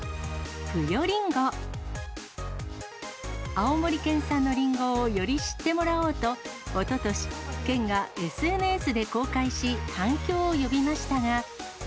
青森県産のりんごをより知ってもらおうと、おととし、県がＳＮＳで公開し、反響を呼びましたが。